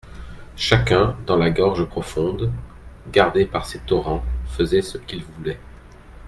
Chacun, dans la gorge profonde, gardé par ses torrents, faisait ce qu'il voulait.